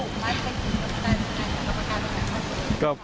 ด้านประกาศไว้นี่ถูกไหมใครช่วยแบบนั้น